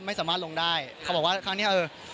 ไม่สามารถลงได้เขาบอกว่าครั้งนี้เออ